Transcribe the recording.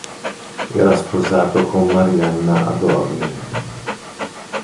Era sposato con Marianna Adorni.